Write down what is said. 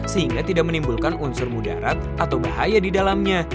sehingga tidak menimbulkan unsur mudarat atau bahaya di dalamnya